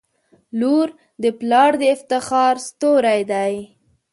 • لور د پلار د افتخار ستوری وي.